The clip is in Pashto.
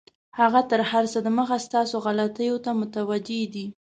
هغه تر هر څه دمخه ستا غلطیو ته متوجه دی.